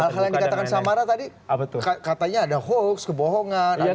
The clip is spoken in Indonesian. hal hal yang dikatakan samara tadi katanya ada hoax kebohongan ada sensasi